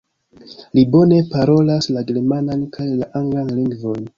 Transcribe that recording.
Li bone parolas la germanan kaj la anglan lingvojn.